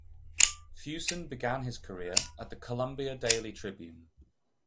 Fuson began his career at the "Columbia Daily Tribune".